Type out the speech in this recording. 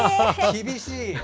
厳しい！